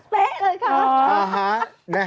เป๊ะเลยค่ะ